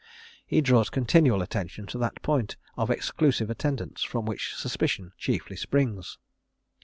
He draws continual attention to that point of exclusive attendance from which suspicion chiefly springs.